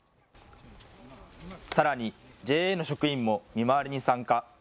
さらにＪＡの職員も見回りに参加。